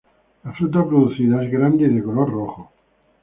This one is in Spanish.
La fruta producida es grande y de color rojo.